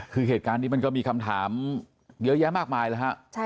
คือเหตุการณ์นี้มันก็มีคำถามเยอะแยะมากมายแล้วฮะ